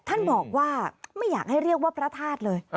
ท่านบอกว่าไม่อยากให้เรียกว่าพระธาตุเลย